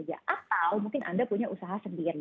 atau mungkin anda punya usaha sendiri